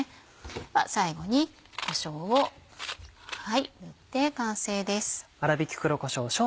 では最後にこしょうを振って完成です。